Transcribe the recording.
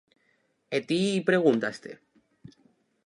E ti pregúntaste?